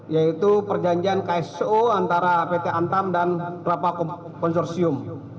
yaitu perjanjian kso antara pt antam dan kerap konsorsium